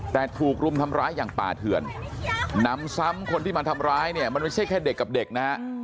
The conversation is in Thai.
แต่ถูกรุมทำร้ายอย่างป่าเถื่อนนำซ้ำคนที่มาทำร้ายเนี่ยมันไม่ใช่แค่เด็กกับเด็กนะฮะ